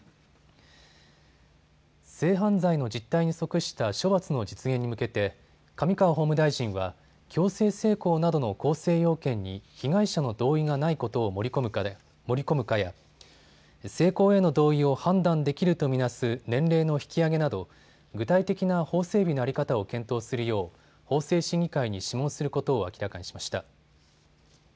性犯罪の実態に即した処罰の実現に向けて上川法務大臣は強制性交などの構成要件に被害者の同意がないことを盛り込むかや、性交への同意を判断できると見なす年齢の引き上げなど具体的な法整備の在り方を検討するよう法制審議会に諮問することを明らかにしました。